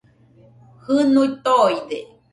Jɨnui toide